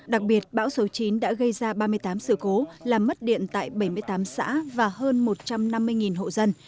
đặc biệt bão số chín đã gây ra ba mươi tám sự cố làm mất điện tại bảy mươi tám xã và hơn một trăm năm mươi hộ dân